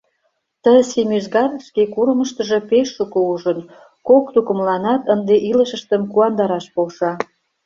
Ты семӱзгар шке курымыштыжо пеш шуко ужын, кок тукымланат ынде илышыштым куандараш полша.